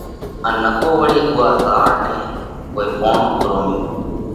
ان نڪو وۯي اُوئا زاۯ نئہ ڪوئي پوڻو اُڳروميو۔